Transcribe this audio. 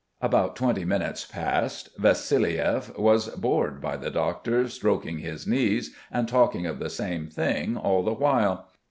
About twenty minutes passed. Vassiliev was bored by the doctor stroking his knees and talking of the same thing all the while.